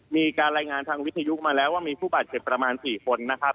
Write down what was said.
มีการรายงานทางวิทยุมาแล้วว่ามีผู้บาดเจ็บประมาณ๔คนนะครับ